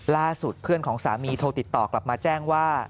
เพื่อนของสามีโทรติดต่อกลับมาแจ้งว่า